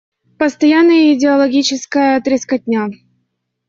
Постоянная идеологическая трескотня.